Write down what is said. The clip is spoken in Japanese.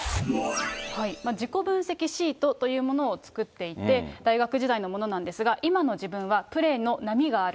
自己分析シートというものを作っていて、大学時代のものなんですが、今の自分は、プレーの波がある。